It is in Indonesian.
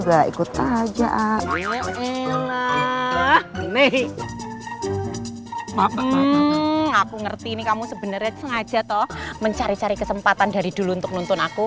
aku ngerti ini kamu sebenarnya sengaja toh mencari cari kesempatan dari dulu untuk nonton aku